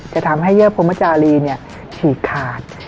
จะทำให้เยอร์พรมจารีฉีกขาด